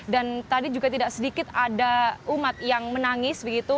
dan tadi juga tidak sedikit ada umat yang menangis begitu